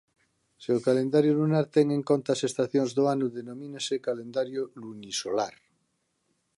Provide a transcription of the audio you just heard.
Se o calendario lunar ten en conta as estacións do ano denomínase calendario lunisolar.